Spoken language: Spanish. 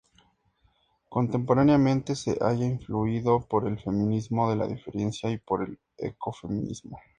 Contemporáneamente se halla influido por el feminismo de la diferencia y por el ecofeminismo.